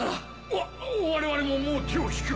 わ我々ももう手を引く！